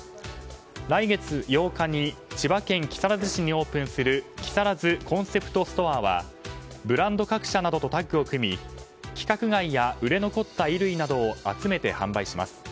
来月８日に千葉県木更津市にオープンするＫＩＳＡＲＡＺＵＣＯＮＣＥＰＴＳＴＯＲＥはブランド各社などとタッグを組み規格外や売れ残った衣類などを集めて販売します。